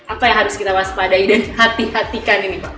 apa yang harus kita waspadai dan hati hatikan ini